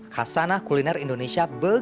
khasanah kuliner indonesia berkembang